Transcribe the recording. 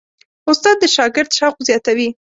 استاد د شاګرد شوق زیاتوي.